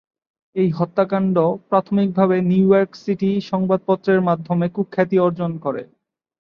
এই হত্যাকাণ্ড প্রাথমিকভাবে নিউ ইয়র্ক সিটি সংবাদপত্রের মাধ্যমে কুখ্যাতি অর্জন করে।